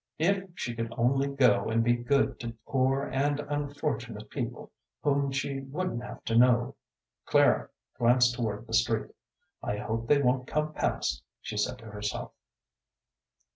If she could only go and be good to poor and unfortunate people whom she wouldn't have to know. Clara glanced toward the street. "I hope they won't come past," she said to herself.